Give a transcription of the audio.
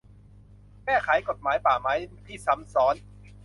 แก้ไขกฎหมายป่าไม้ที่ซ้ำซ้อน